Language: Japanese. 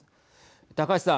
高橋さん。